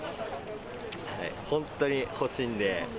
本当に欲しいんで。